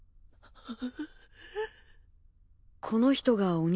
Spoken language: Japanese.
あっ。